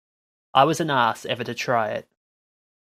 I was an ass ever to try it.